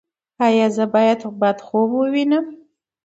ایا زه باید بد خوب ووینم؟